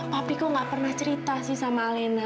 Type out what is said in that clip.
tapi kok gak pernah cerita sih sama alena